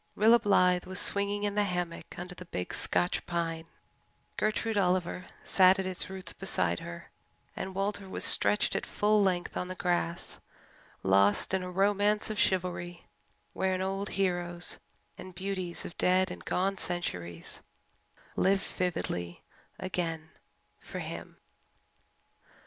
Rilla Blythe was swinging in the hammock under the big Scotch pine, Gertrude Oliver sat at its roots beside her, and Walter was stretched at full length on the grass, lost in a romance of chivalry wherein old heroes and beauties of dead and gone centuries lived vividly again for him.